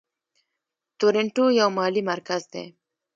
تورنټو یو مالي مرکز دی.